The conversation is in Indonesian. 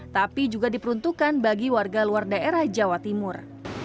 tapi juga diperuntukkan bagi warga luar daerah jawa timur